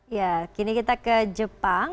ya kini kita ke jepang